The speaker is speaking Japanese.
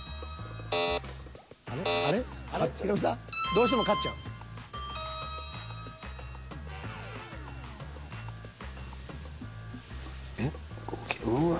［どうしても勝っちゃう］うわ。